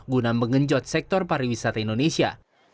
guna mengenjot sektor pariwisata indonesia